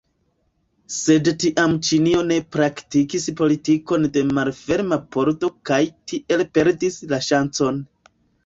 Sed tiam Ĉinio ne praktikis politikon de malferma pordo kaj tiel perdis la ŝancon.